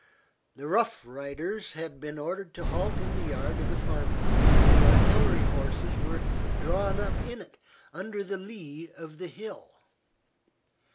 The Rough Riders had been ordered to halt in the yard of the farm house and the artillery horses were drawn up in it, under the lee of the hill.